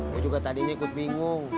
gue juga tadinya ikut bingung